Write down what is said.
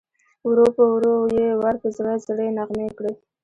ورو په ورو یې ور په زړه زړې نغمې کړې